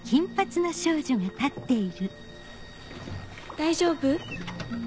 大丈夫？